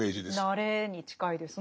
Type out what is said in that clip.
慣れに近いですね。